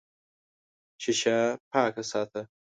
شیشه پاکه ساته.